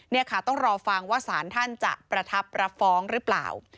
นี่ค่ะต้องรอฟังว่าสารท่านจะประทับรับฟ้องหรือเปล่า